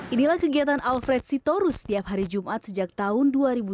inilah kegiatan alfred sitorus setiap hari jumat sejak tahun dua ribu dua belas